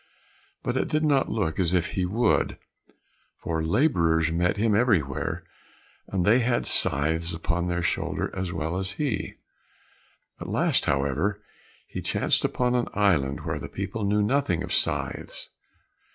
But it did not look as if he would, for labourers met him everywhere, and they had scythes upon their shoulders as well as he. At last, however, he chanced upon an island where the people knew nothing of scythes.